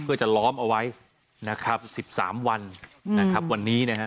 เพื่อจะล้อมเอาไว้นะครับ๑๓วันนะครับวันนี้นะฮะ